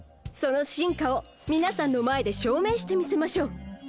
その真価を皆さんの前で証明してみせましょう。